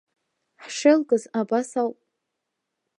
Ҳшеилгаз абас ауп.